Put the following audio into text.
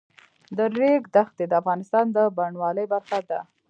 د ریګ دښتې د افغانستان د بڼوالۍ برخه ده.